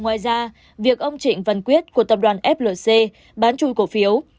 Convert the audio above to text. ngoài ra việc ông trịnh văn quyết của tập đoàn flc bán chui cổ phiếu